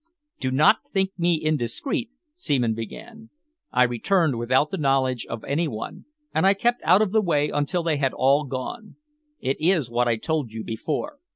"Do not think me indiscreet," Seaman began. "I returned without the knowledge of any one, and I kept out of the way until they had all gone. It is what I told you before.